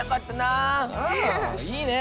あいいね。